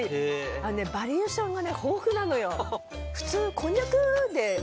あのねバリエーションが豊富なのよ。